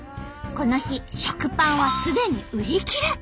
この日食パンはすでに売り切れ。